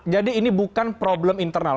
jadi ini bukan problem internal